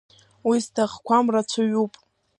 Уи зҭахқәам рацәаҩуп.